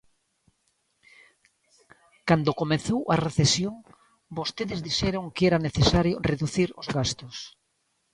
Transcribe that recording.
Cando comezou a recesión, vostedes dixeron que era necesario reducir os gastos.